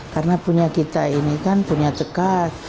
karena punya kita ini kan punya tekat